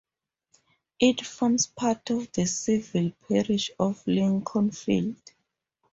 It forms part of the civil parish of Leconfield.